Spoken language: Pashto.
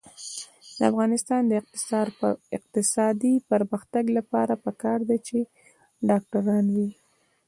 د افغانستان د اقتصادي پرمختګ لپاره پکار ده چې ډاکټران وي.